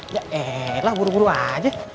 ya elah buru buru aja